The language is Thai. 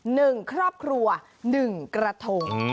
หนึ่งครอบครัวหนึ่งกระทง